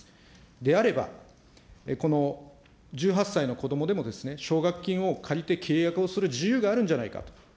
であれば、この１８歳のこどもでも奨学金を借りて契約をする自由があるんじゃないか。